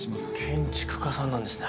建築家さんなんですね。